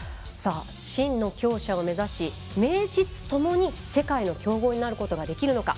真の強者を目指し名実ともに世界の強豪になることができるのか。